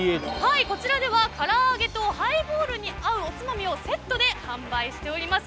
こちらではからあげとハイボールに合うおつまみをセットで販売しています。